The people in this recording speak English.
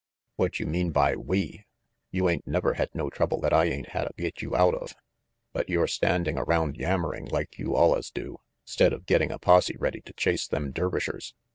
"What you meanin' by we? You ain't never had no trouble that I ain't hadda get you out of. But you're standing around yammering like you allus do, 'stead of getting a posse ready to chase them Dervishers.